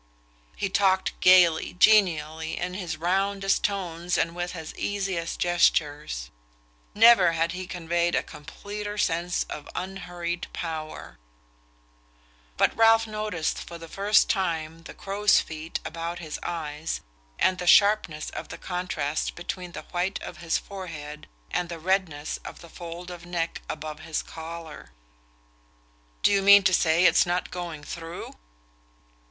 He talked gaily, genially, in his roundest tones and with his easiest gestures; never had he conveyed a completer sense of unhurried power; but Ralph noticed for the first time the crow's feet about his eyes, and the sharpness of the contrast between the white of his forehead and the redness of the fold of neck above his collar. "Do you mean to say it's not going through?"